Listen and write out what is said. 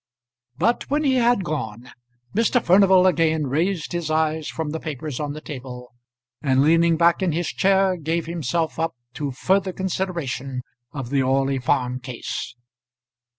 But when he had gone, Mr. Furnival again raised his eyes from the papers on the table, and leaning back in his chair, gave himself up to further consideration of the Orley Farm case.